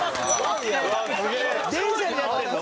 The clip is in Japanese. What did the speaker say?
電車になってるの？